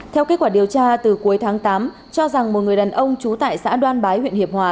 theo kết quả điều tra từ cuối tháng tám cho rằng một người đàn ông trú tại xã đoan bái huyện hiệp hòa